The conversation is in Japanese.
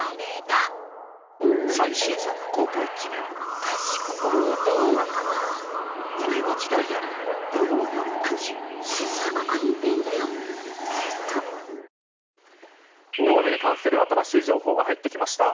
わかるぞ大雨に関する新しい情報が入ってきました。